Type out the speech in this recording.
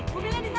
mobilnya di sana